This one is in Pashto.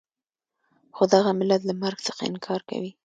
خو دغه ملت له مرګ څخه انکار کوي.